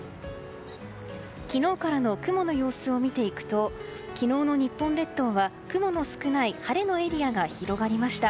昨日からの雲の様子を見ていくと昨日の日本列島は、雲の少ない晴れのエリアが広がりました。